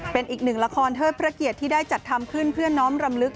เป็นอีกหนึ่งละครเทิดพระเกียรติที่ได้จัดทำขึ้นเพื่อน้อมรำลึก